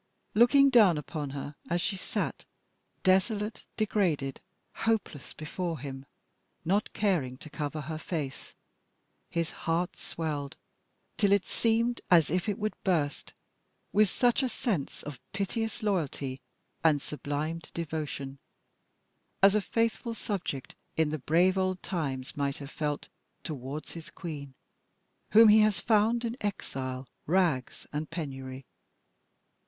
Looking down upon her as she sat desolate, degraded, hopeless before him, not caring to cover her face, his heart swelled till it seemed as if it would burst, with such a sense of piteous loyalty and sublimed devotion as a faithful subject in the brave old times might have felt towards his queen whom he has found in exile, rags, and penury.